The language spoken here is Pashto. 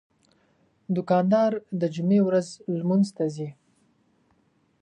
دوکاندار د جمعې ورځ لمونځ ته ځي.